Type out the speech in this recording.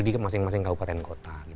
di masing masing kabupaten kota